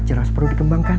ciraus perlu dikembangkan